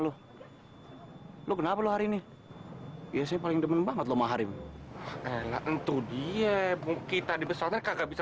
lu kenapa hari ini biasanya paling demen banget lu maharim entuh dia kita di besoknya kagak bisa